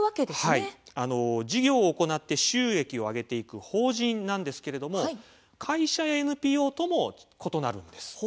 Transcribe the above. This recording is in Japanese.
事業を行って収益を上げる法人なんですけれども会社やＮＰＯとも異なるんです。